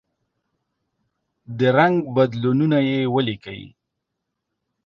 د رنګ بدلونونه یې ولیکئ.